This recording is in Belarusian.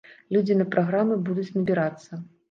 Людзі на праграмы будуць набірацца.